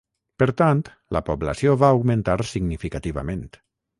Per tant la població va augmentar significativament.